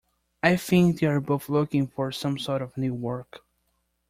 I think they're both looking for some sort of new work.